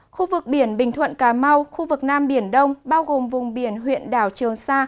khu vực biển bình thuận cà mau khu vực nam biển đông bao gồm vùng biển huyện đảo trường sa